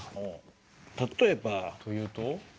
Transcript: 例えば。というと？